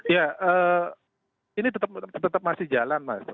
ya ini tetap masih jalan mas